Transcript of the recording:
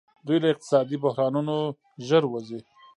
دوی له اقتصادي بحرانونو ژر وځي.